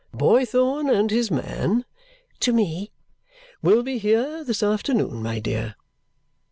Boythorn and his man," to me, "will be here this afternoon, my dear."